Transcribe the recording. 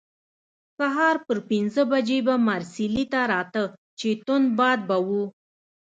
سهار پر پنځه بجې به مارسیلي ته راته، چې توند باد به وو.